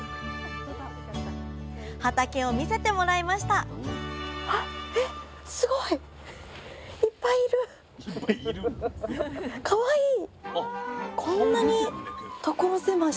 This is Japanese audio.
畑を見せてもらいましたあっえっすごいかわいい。